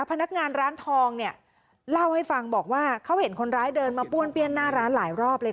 พนักงานร้านทองเนี่ยเล่าให้ฟังบอกว่าเขาเห็นคนร้ายเดินมาป้วนเปี้ยนหน้าร้านหลายรอบเลยค่ะ